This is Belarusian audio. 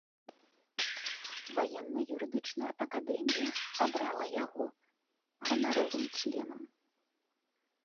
Ваенна-юрыдычная акадэмія абрала яго ганаровым членам.